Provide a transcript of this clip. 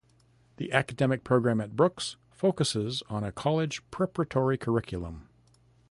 The academic program at Brooks focuses on a college preparatory curriculum.